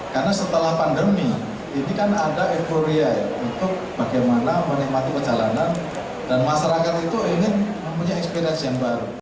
kita ingin menggalakkan para wisata karena setelah pandemi ini kan ada euforia untuk bagaimana menikmati perjalanan dan masyarakat itu ingin mempunyai eksperien yang baru